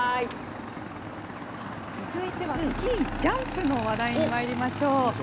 続いてはスキー・ジャンプの話題にまいりましょう。